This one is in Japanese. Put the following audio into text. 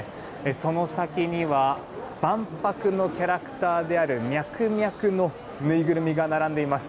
その先には万博のキャラクターであるミャクミャクのぬいぐるみが並んでいます。